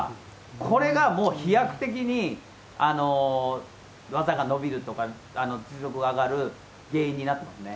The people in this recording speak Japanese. これがもう飛躍的に技が伸びるとか、実力が上がる原因になってるんですね。